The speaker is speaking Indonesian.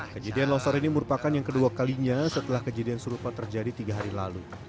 kejadian longsor ini merupakan yang kedua kalinya setelah kejadian serupa terjadi tiga hari lalu